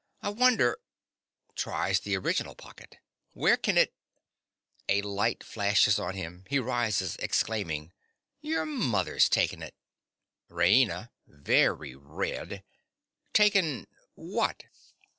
_) I wonder—(Tries the original pocket.) Where can it—(A light flashes on him; he rises, exclaiming) Your mother's taken it. RAINA. (very red). Taken what?